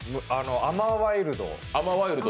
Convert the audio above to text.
甘ワイルド。